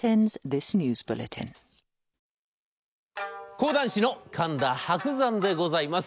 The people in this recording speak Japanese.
講談師の神田伯山でございます。